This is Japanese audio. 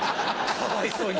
かわいそうに。